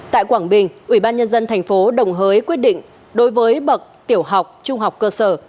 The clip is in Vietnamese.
tại quảng bình ubnd tp đồng hới quyết định đối với bậc tiểu học trung học cơ sở